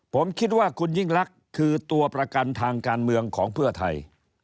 ผมคิดว่าคุณยิ่งลักษณ์คือตัวประกันทางการเมืองของเพื่อไทย